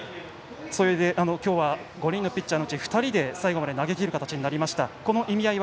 今日は５人のピッチャーのうち２人で最後まで投げきる形になりました。